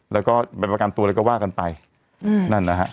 แล้วก็เป็นประกันตัวอะไรก็ว่ากันไปอืมนั่นนะฮะ